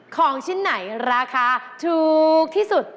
ของชิ้นไหนราคาถูกที่สุด